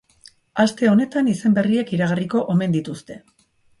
Aste honetan izen berriak iragarriko omen dituzte.